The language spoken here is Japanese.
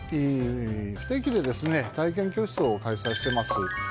不定期で体験教室を開催しています。